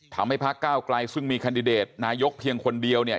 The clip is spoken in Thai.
ทำให้พระก้าวกลายซึ่งมีคันดิเดตนายกเพียงคนเดียวเนี่ย